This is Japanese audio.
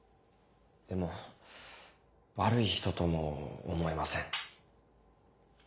でも悪い人とも思えません。